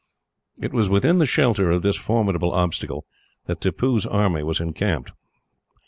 It was within the shelter of this formidable obstacle that Tippoo's army was encamped.